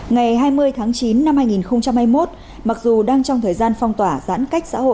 ngày hai mươi tháng chín năm hai nghìn hai mươi một mặc dù đang trong thời gian phong tỏa giãn cách xã hội